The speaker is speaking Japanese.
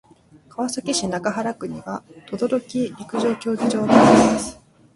川崎市中原区には等々力陸上競技場があります。